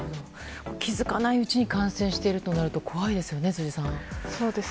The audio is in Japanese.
気づかないうちに感染しているとなると怖いですよね、辻さん。